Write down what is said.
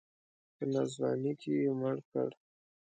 په ناځواني کې یې مړ کړ.